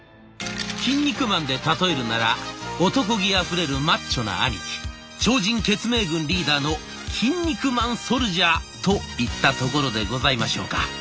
「キン肉マン」で例えるなら男気あふれるマッチョなアニキ超人血盟軍リーダーのキン肉マンソルジャーといったところでございましょうか。